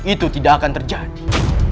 itu tidak akan terjadi